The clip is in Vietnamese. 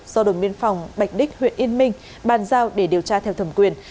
do đồng biên phòng bạch đích huyện yên minh bàn giao để điều tra theo thẩm quyền